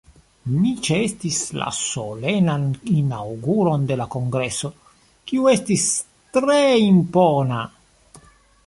Mi ĉeestis la Solenan Inaŭguron de la kongreso, kiu estis tre impona.